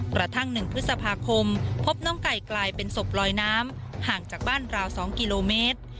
กระทั่ง๑พฤษภาคมพบน้องไก่กลายเป็นศพลอยน้ำห่างจากบ้านราว๒กิโลเมตร